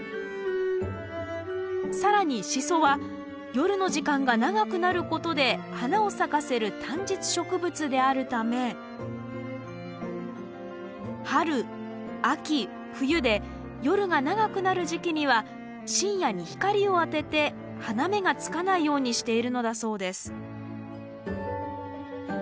更にシソは夜の時間が長くなることで花を咲かせる短日植物であるため春・秋・冬で夜が長くなる時期には深夜に光を当てて花芽がつかないようにしているのだそうです